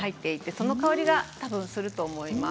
その香りがすると思います。